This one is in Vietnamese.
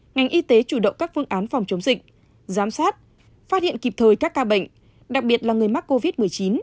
ngành y tế chủ động các phương án phòng chống dịch giám sát phát hiện kịp thời các ca bệnh đặc biệt là người mắc covid một mươi chín